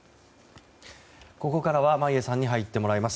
ここからは眞家さんに入ってもらいます。